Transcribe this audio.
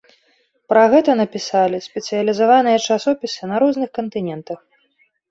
Пра гэта напісалі спецыялізаваныя часопісы на розных кантынентах.